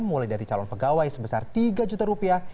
mulai dari calon pegawai sebesar tiga juta rupiah